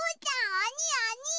おにおに！